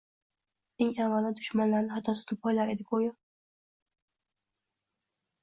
eng avvalo, dushmanlarini xatosini poylar edi. Go‘yo